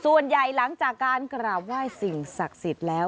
หลังจากการกราบไหว้สิ่งศักดิ์สิทธิ์แล้ว